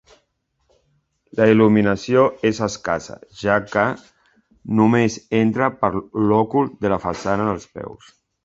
La il·luminació és escassa, ja que només entra per l'òcul de la façana dels peus.